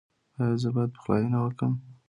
ایا زه باید پخلاینه وکړم؟